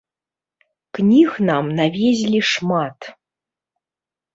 Кніг нам навезлі шмат.